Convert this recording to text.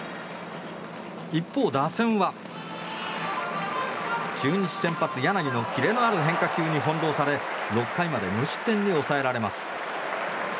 一方、打線は中日先発、柳のキレのある変化球に翻弄され６回まで無失点に抑えられます。